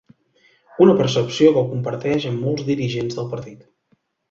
Una percepció que comparteix amb molts dirigents del partit.